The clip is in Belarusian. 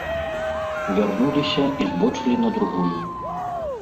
Вярнуліся і збочылі на другую.